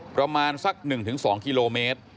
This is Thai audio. ประมาณสัก๑๒กิโลเมตร